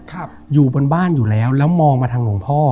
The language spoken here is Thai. ครับอยู่บนบ้านอยู่แล้วแล้วมองมาทางหลวงพ่อ